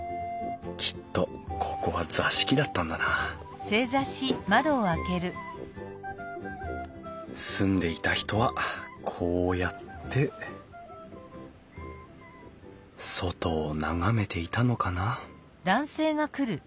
きっとここは座敷だったんだな住んでいた人はこうやって外を眺めていたのかな？